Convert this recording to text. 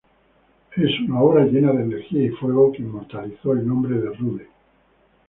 Es una obra llena de energía y fuego, que inmortalizó el nombre de Rude.